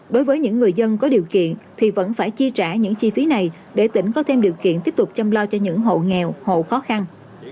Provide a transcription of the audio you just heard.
đối với những người dân có điều kiện thì vẫn phải chi trả những chi phí này để tỉnh có thêm điều kiện tiếp tục chăm lo cho những hộ nghèo hộ khó khăn